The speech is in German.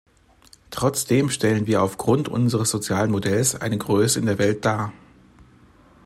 Trotzdem stellen wir auf Grund unseres sozialen Modells eine Größe in der Welt dar.